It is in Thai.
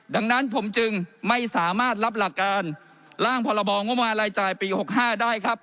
ดังนั้นผมจึงไม่สามารถรับหลักการร่างพรบงบมารายจ่ายปี๖๕ได้ครับ